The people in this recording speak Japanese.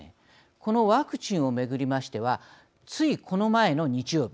このワクチンをめぐりましてはついこの前の日曜日